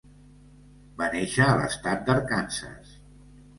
Va néixer a l'estat d'Arkansas.